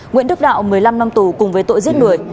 nguyễn đức đạo một mươi năm năm tù cùng với tội giết người